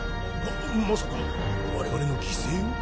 まさか我々の犠牲を？